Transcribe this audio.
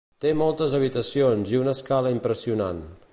Té moltes habitacions i una escala impressionant.